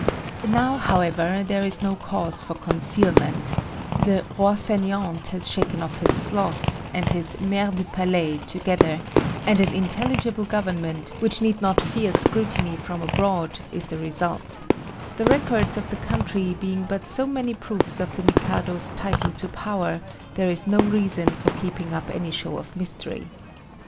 Now, however, there is no cause for concealment; the Roi Fainéant has shaken off his sloth, and his Maire du Palais, together, and an intelligible Government, which need not fear scrutiny from abroad, is the result: the records of the country being but so many proofs of the Mikado's title to power, there is no reason for keeping up any show of mystery.